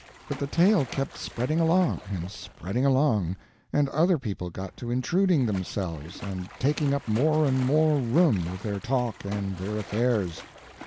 But the tale kept spreading along, and spreading along, and other people got to intruding themselves and taking up more and more room with their talk and their affairs.